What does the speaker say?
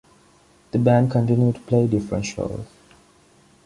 The band continue to play different shows.